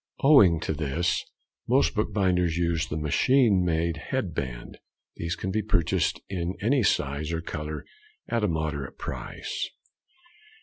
Owing to this, most bookbinders use the machine made head band. These can be purchased of any size or colour, at a moderate price.